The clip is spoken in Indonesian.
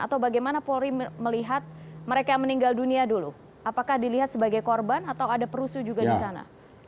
atau bagaimana polri melihat mereka yang meninggal dunia dulu apakah dilihat sebagai korban atau ada perusuh juga di sana